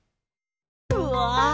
うわ！